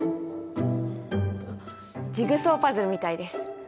ジグソーパズルみたいです。